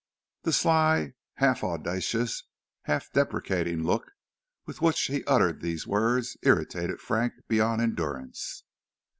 The sly, half audacious, half deprecating look with which he uttered these words irritated Frank beyond endurance.